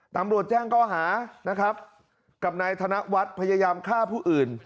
ตำรวจแจ้งข้อหานะครับกับนายธนวัฒน์พยายามฆ่าผู้อื่น